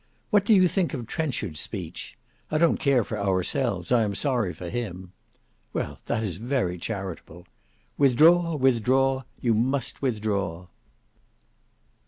What do you think of Trenchard's speech? I don't care for ourselves; I am sorry for him. Well that is very charitable. Withdraw, withdraw; you must withdraw."